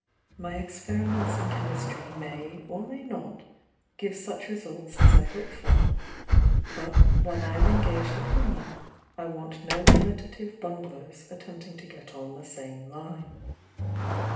My experiments in chemistry may or may not give such results as I hope for, but while I am engaged upon them I want no imitative bunglers attempting to get on the same line.